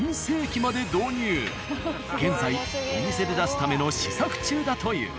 現在お店で出すための試作中だという。